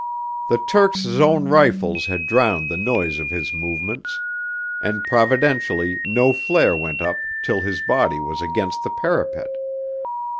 The Turks' own rifles had drowned the noise of his movements, and providentially no flare went up till his body was against the parapet.